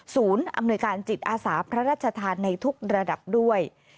อำนวยการจิตอาสาพระราชทานในทุกระดับด้วย